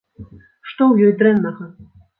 Што ў ёй дрэннага?